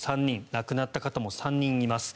亡くなった方も３人います。